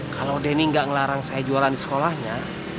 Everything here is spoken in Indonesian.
kalau denny nggak ngelarang saya jualan di sekolahnya